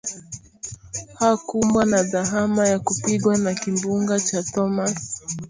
hakumbwa na dhahama ya kupigwa na kimbunga cha thomas